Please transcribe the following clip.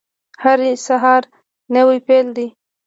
هر سهار نوی پیل دی